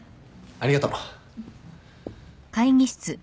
ありがとう。